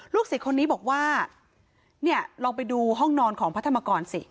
ศิษย์คนนี้บอกว่าเนี่ยลองไปดูห้องนอนของพระธรรมกรสิ